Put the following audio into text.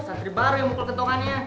santri baru yang mukul kentongannya